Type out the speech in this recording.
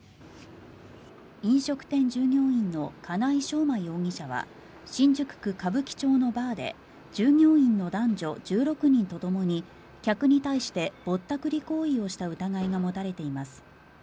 飲食店従業員の金井将馬容疑者は新宿区歌舞伎町のバーで従業員の男女１６人とともに客に対してぼったくり行為をした疑いが持たれています。